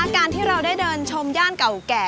การที่เราได้เดินชมย่านเก่าแก่